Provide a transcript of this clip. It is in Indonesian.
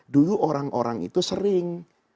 dulu orang orang itu sering